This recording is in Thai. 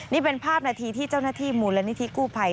นี่เป็นภาพนาทีที่เจ้าหน้าที่มูลนิธิกู้ภัย